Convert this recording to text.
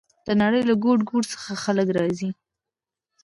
د نړۍ له ګوټ ګوټ څخه خلک راځي.